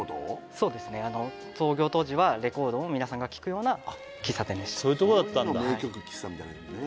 そうですね創業当時はレコードを皆さんが聴くような喫茶店でしたそういうとこだったんだ名曲喫茶みたいなやつね